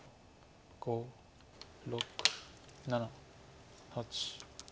５６７８。